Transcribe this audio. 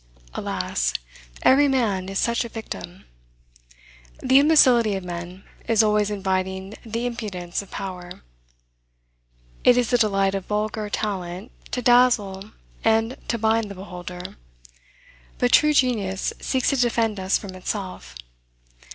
Alas! every man is such a victim. The imbecility of men is always inviting the impudence of power. It is the delight of vulgar talent to dazzle and to bind the beholder. But true genius seeks to defend us from itself.